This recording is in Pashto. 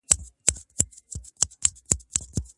خصوصي پوهنتون په ناقانونه توګه نه جوړیږي.